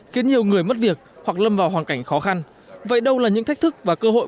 khiến nhiều người mất việc hoặc lâm vào hoàn cảnh khó khăn vậy đâu là những thách thức và cơ hội